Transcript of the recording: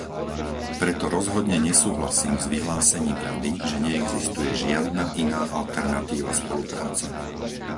Preto rozhodne nesúhlasím s vyhlásením Rady, že neexistuje žiadna iná alternatíva spolupráce.